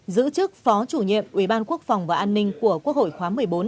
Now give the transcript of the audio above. giữ chức phó chủ nhiệm ủy ban quốc phòng và an ninh của quốc hội khóa một mươi bốn